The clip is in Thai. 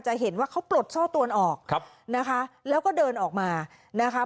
เห็นว่าเขาปลดโซ่ตวนออกนะคะแล้วก็เดินออกมานะคะ